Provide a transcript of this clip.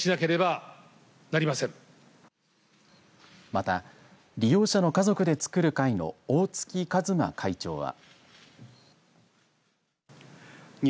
また、利用者の家族で作る会の大月和真会長は。